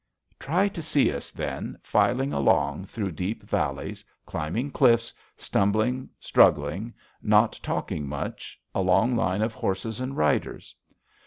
Try to see us, then, filing along through deep valleys, climbing cliffs, stumbling, struggling, not talking much, a long line of horses and riders.